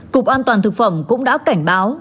cục an toàn thực phẩm cũng đã cảnh báo